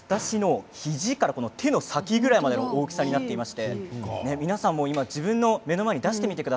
私の肘から手の先ぐらいまでの大きさになっています。